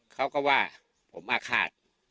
เขาก็ว่าผมอาฆาต